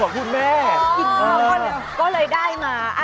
โอ้ยแต่ไปไหนมาค่ะเนี่ยได้ของฝาก